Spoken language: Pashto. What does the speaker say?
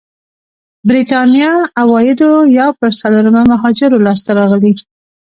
برېتانيا عوايدو یو پر څلورمه مهاجرو لاسته راغلي.